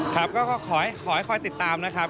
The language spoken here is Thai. ครับก็ขอให้คอยติดตามนะครับ